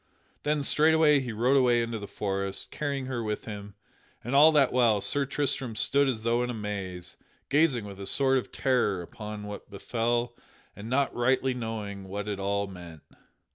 Then straightway he rode away into the forest, carrying her with him; and all that while Sir Tristram stood as though in a maze, gazing with a sort of terror upon what befell and not rightly knowing what it all meant.